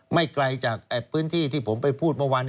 ไม่ไกลจากพื้นที่ที่ผมไปพูดเมื่อวาน